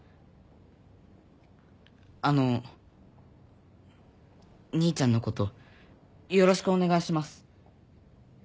あの兄ちゃんのことよろしくお願いします。